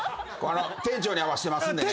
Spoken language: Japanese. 店長に合わせてますんでね。